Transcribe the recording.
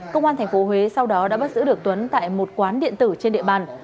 công an tp huế sau đó đã bắt giữ được tuấn tại một quán điện tử trên địa bàn